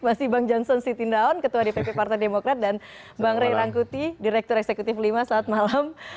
masih bang johnson siti ndaon ketua di pp partai demokrat dan bang ray rangkuti direktur eksekutif lima saat malam